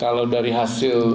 kalau dari hasil